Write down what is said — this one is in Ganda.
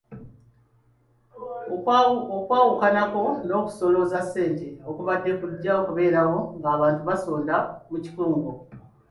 Okwawukanako n’okusolooza ssente okubadde kujja kubeerawo ng’abantu basonda mu kikungo.